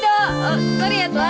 lo lihat lah